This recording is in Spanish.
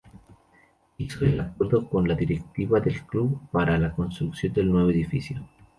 Hizo el acuerdo con la directiva del club para la construcción del nuevo estadio.